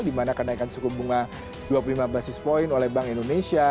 di mana kenaikan suku bunga dua puluh lima basis point oleh bank indonesia